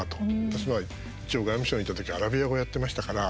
私は一応、外務省にいた時アラビア語やっていましたから。